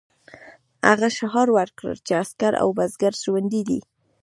هغه شعار ورکړ چې عسکر او بزګر ژوندي دي.